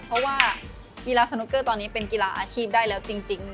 เพราะว่ากีฬาสนุกเกอร์ตอนนี้เป็นกีฬาอาชีพได้แล้วจริง